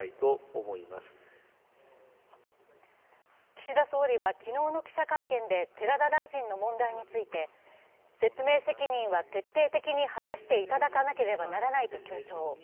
岸田総理は昨日の記者会見で寺田大臣の問題について、説明責任は徹底的に果たしていただかなければならないと強調。